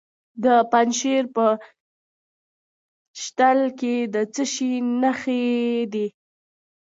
د پنجشیر په شتل کې د څه شي نښې دي؟